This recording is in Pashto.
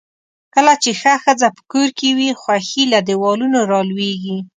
کله چې ښه ښځۀ پۀ کور کې وي، خؤښي له دیوالونو را لؤیږي.